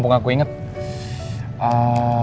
jangan ragu kalau